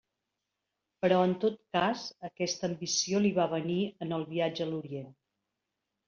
Però en tot cas aquesta ambició li va venir en el viatge a l'Orient.